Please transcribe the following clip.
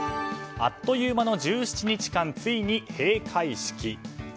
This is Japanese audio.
あっという間の１７日間ついに閉会式。